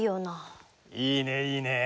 いいねいいね。